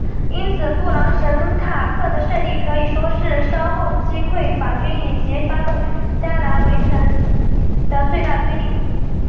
因此布朗什塔克的胜利可以说是稍后击溃法军以及发动加莱围城的最大推力。